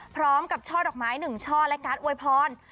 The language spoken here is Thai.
พร้อมกับช่อดอกไม้๑ช่อและการ์ดโอยพร